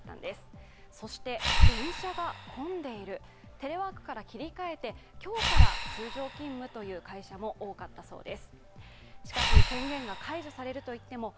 テレワークから切り替えて今日から通常勤務という会社も多かったそうです。